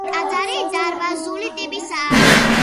ტაძარი დარბაზული ტიპისაა.